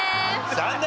残念！